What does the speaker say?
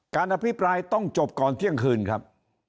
อภิปรายต้องจบก่อนเที่ยงคืนครับ